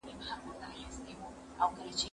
زه اجازه لرم چي کتاب واخلم!؟